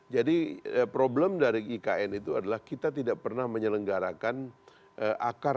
jadi problem dari ikn itu adalah kita tidak pernah menyelenggarakan akar dari perdebatan